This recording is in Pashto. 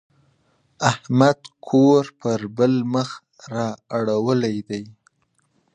احمد کور پر بل مخ را اړولی دی.